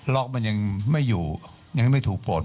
ล็อกมันยังไม่อยู่ยังไม่ถูกปลด